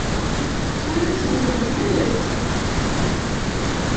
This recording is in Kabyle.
Ttwanasen-kent yal ass.